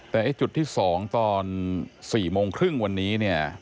แต่จุดที่๒ตอน๔โมงครึ่งวันนี้เนี่ย